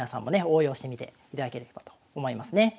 応用してみていただければと思いますね。